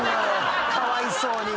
かわいそうに。